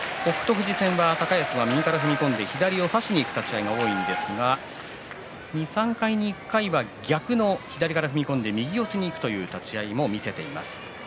富士戦は高安は右から踏み込んで左を差しにいく立ち合いが多いんですが２、３回に１回は逆の左から踏み込んで右四つにいくという立ち合いも見せています。